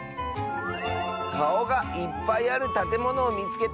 「かおがいっぱいあるたてものをみつけた！」。